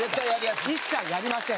一切やりません。